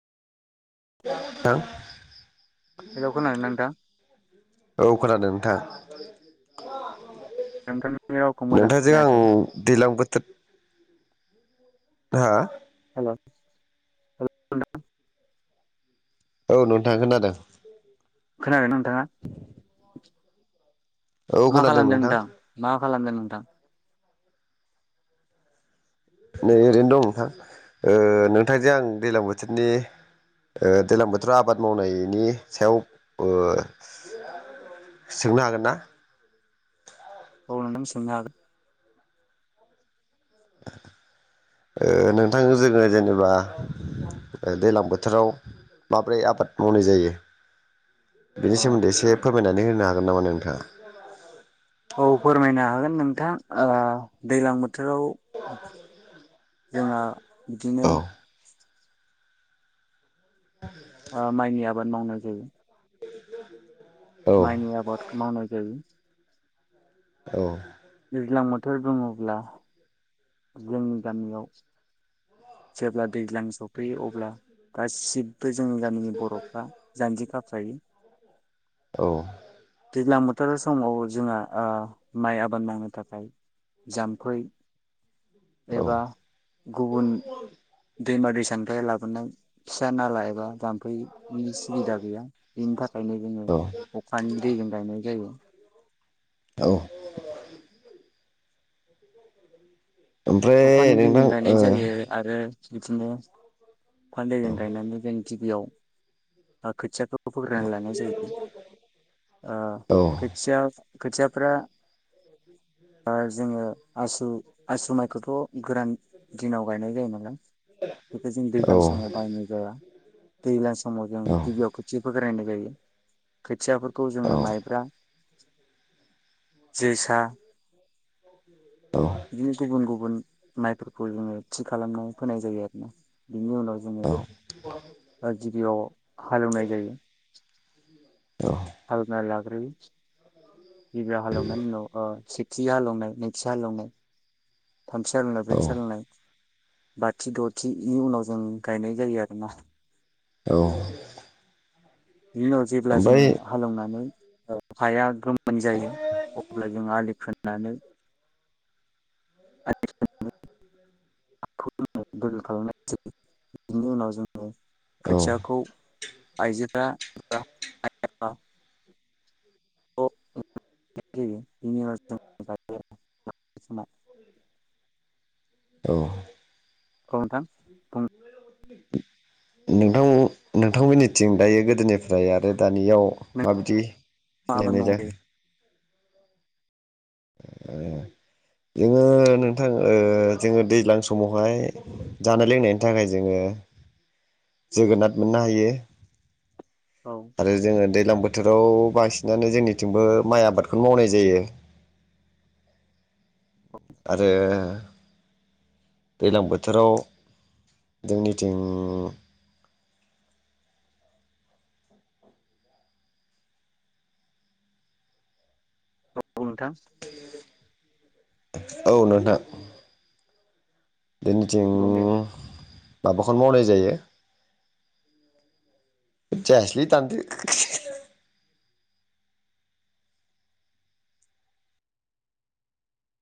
Hello hello खोनादोंना नोंथां औ खोनादों नोंथां। नोंथांनि रावखौ [inaudible] मोजां नोंथांजों आं खोनायाखै दैज्लां बोथोर। हा। हेलौ हेलौ औ नोंथां खोनादों खोनादोंना नोंथाङा औ मा खोनादों खालामदों नोंथां मा खालामदों नोंथां नै ओरैनो दं नोंथां ओ नोंथांजों आं दैज्लां बोथोरनि ओ दैज्लां बोथोराव आबाद मावनायनि सायाव ओ सोंनो हागोन ना अ नोंथां सोंनो हागोन ओ नोंथां जोङो जेनेबा दैज्लां बोथोराव माब्रै आबाद मावनाय जायो। बेनि अ सोमोन्दै एसे फोर फोरमायनानै होनो हागोन नामा नोंथाङा औ फोरमायनो हागोन नों नोंथां ओ दैज्लां बोथोराव। जोंहा बिदिनो। औ ओ माइनि आबाद मावनाय जायो औ माइनि आबाद। मावनाय जायो औ दैज्लां बोथोर बुङोब्ला जोंनि गामियाव जेब्ला दैज्लां सफैयो अब्ला गासिबो जोंनि गामिनि बर'फ्रा जानजि खाफ्रायो औ। दैग्लां बोथोर समाव जोंहा माइ आबाद मावनो थाखाय। जाम्फै- औ एबा गुबुन। दैमा दैसानिफ्राय लाबोनाय फिसा नाला एबा जाम्फैनि सुबिदा गैया बेनि थाखायनो जोङो औ अखानि दैजों गायनाय जायो। औ ओमफ्राय अखानि दैजों नोंथां गायनाय ओ जायो आरो बिदिनो। हालदैजों औ गायनानै जों गिबियाव खोथियाखौ फोग्रोनानै लानाय जायो ओ औ खोथिया खोथियाफ्रा जोङो आसु आसु माइखौथ' गोरान दिनाव गायनाय जायो नालाय बेखौ जों दै। दैज्लां समाव बायनाय जाया दैज्लां समाव जों गिबियाव खोथिया फोग्रोनाय जायो खोथियाफोरखौ औ जोङो माइब्रा जोसा औ बिदिनो गुबुन-गुबुन माइफोरखौ जोङो थि खालामना फोनाय जायो आरो ना। बिनि उनाव जोङो गिबियाव हालेवनाय जायो। औ हालौना लाग्रोयो गिबियाव हालेवनायनि उनाव सेथि हालौनाय, नैथि हालौनाय, थामथि हालौनाय, ब्रैथि औ हालौनाय, बाथि, दथिनि उनाव जों गायनाय जायो आरोना। बिनि उनाव जेब्ला ओमफ्राय जोङो हालौनानै ओ हाया गोमोन जायो अब्ला जों आलि खोनानै आलि खोनानै हाखौ जोङो दोलो खालामनायसै बेनि उनाव जोङो औ खोथियाखौ आइजोफ्रा बा [unintelligible] [unintelligible] औ [unintelligible] नोंथां नोंथांमोननिथिं दायो गोदोनिफ्राय आरो दानियाव माबायदि मा आबाद मावो [unintelligible] ओ जोङो नोंथां ओ जोङो दैज्लां समावहाय जानाय लोंनायनि थाखाय जोङो जोगोनात मोननो हायो। औ आरो जोङो दैलां बोथोर। बोथोराव बांसिनानो जोंनिथिंबो माइ आबादखौनो मावनाय जायो। आरो दैलां बोथोराव जोंनिथिं औ नोंथां। औ नोंथां। जोंनिथिं बुं दे माबाखौनो मावनाय जायो जायासैलै दानदो